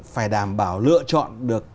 phải đảm bảo lựa chọn được